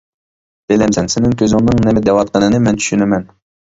بىلەمسەن، سېنىڭ كۆزۈڭنىڭ نېمە دەۋاتقىنىنى مەن چۈشىنىمەن.